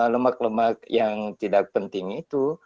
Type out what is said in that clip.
lemak lemak yang tidak penting itu